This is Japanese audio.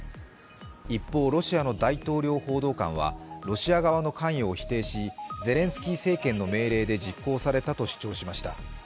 一方ロシアの大統領報道官はロシア側の関与を否定しゼレンスキー政権の命令で実行されたと主張しました。